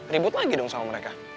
ribut lagi dong sama mereka